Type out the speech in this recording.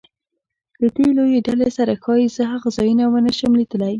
له دې لویې ډلې سره ښایي زه هغه ځایونه ونه شم لیدلی.